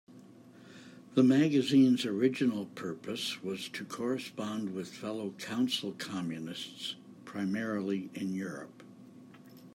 The magazine's original purpose was to correspond with fellow council communists, primarily in Europe.